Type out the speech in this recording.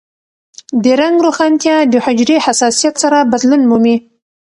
د رنګ روښانتیا د حجرې حساسیت سره بدلون مومي.